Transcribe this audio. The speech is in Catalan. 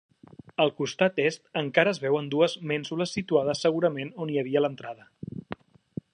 Al costat est encara es veuen dues mènsules situades segurament on hi havia l'entrada.